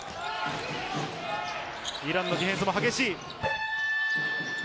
イランのディフェンスも激しい。